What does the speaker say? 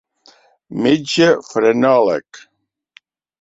Metge frenòleg.